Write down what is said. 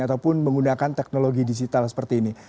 ataupun menggunakan teknologi digital seperti ini